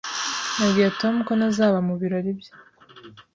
Nabwiye Tom ko ntazaba mu birori bye.